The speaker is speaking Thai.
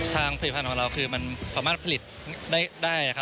ทางผลิตภัณฑ์ของเราคือมันสามารถผลิตได้ได้ครับ